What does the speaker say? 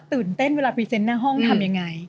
ตื่นเต้นเวลาพรีเซนต์หน้าห้องทำยังไง